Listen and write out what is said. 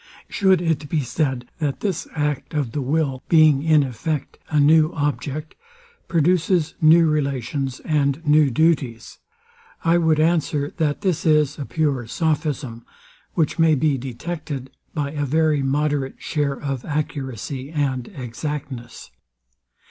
Shou'd it be said, that this act of the will being in effect a new object, produces new relations and new duties; I wou'd answer, that this is a pure sophism, which may be detected by a very moderate share of accuracy and exactness.